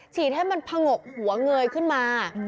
ฉีดให้มันผงกหัวเงยขึ้นมา